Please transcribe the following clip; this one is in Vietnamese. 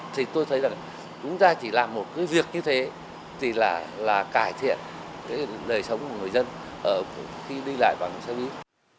thì tôi thấy rằng chúng ta chỉ làm một cái việc như thế thì là cải thiện cái đời sống của người dân khi đi lại bằng xe buýt